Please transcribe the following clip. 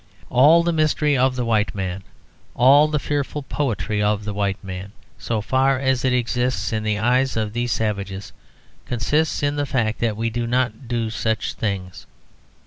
All the mystery of the white man, all the fearful poetry of the white man, so far as it exists in the eyes of these savages, consists in the fact that we do not do such things.